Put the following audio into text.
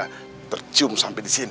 dia tidak akan mencium sampai di sini